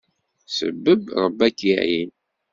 Sebbeb, Rebbi ad k-iεin.